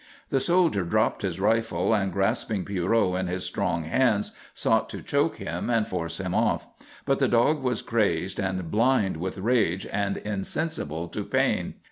The soldier dropped his rifle, and grasping Pierrot in his strong hands sought to choke him and force him off. But the dog was crazed and blind with rage and insensible to pain.